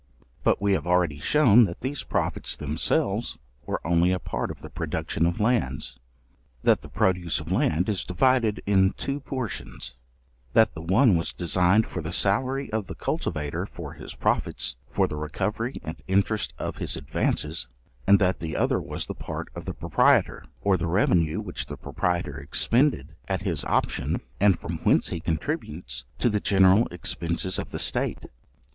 But we have already shewn that these profits themselves were only a part of the production of lands; that the produce of land is divided in two portions; that the one was designed for the salary of the cultivator, for his profits, for the recovery and interest of his advances; and that the other was the part of the proprietor, or the revenue which the proprietor expended at his option, and from whence he contributes to the general expences of the state.